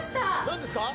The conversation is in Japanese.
何ですか？